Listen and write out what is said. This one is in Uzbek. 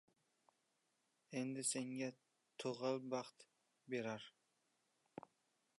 Endi senga tugal baxt berar.